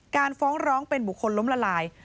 การฟ้องร้องเป็นบุคคลล้มละลาย